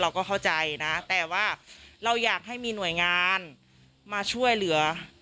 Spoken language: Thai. เราก็เข้าใจนะแต่ว่าเราอยากให้มีหน่วยงานมาช่วยเหลือ